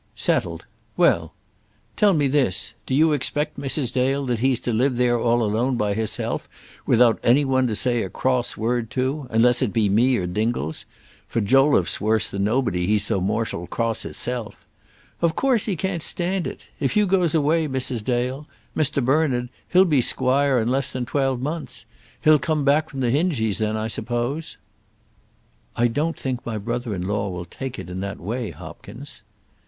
"Settled; well. Tell me this: do you expect, Mrs. Dale, that he's to live there all alone by hisself without any one to say a cross word to, unless it be me or Dingles; for Jolliffe's worse than nobody, he's so mortial cross hisself. Of course he can't stand it. If you goes away, Mrs. Dale, Mister Bernard, he'll be squire in less than twelve months. He'll come back from the Hingies, then, I suppose?" "I don't think my brother in law will take it in that way, Hopkins."